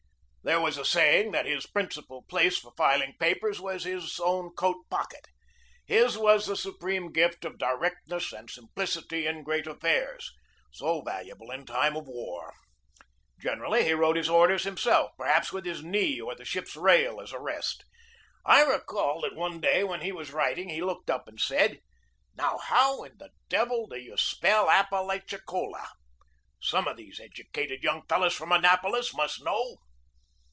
There was a saying that his principal place for filing papers was his own coat pocket. His was the supreme gift of directness and simplicity in great affairs, so valu able in time of war. Generally he wrote his orders himself, perhaps with his knee or the ship's rail as a rest. I recall that one day when he was writing he looked up and said: "Now, how in the devil do you spell Appalachi cola? Some of these educated young fellows from Annapolis must know!"